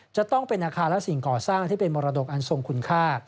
จะต้องเป็นอาคารและสิ่งก่อสร้างที่เป็นมรดกอันทรงคุณค่า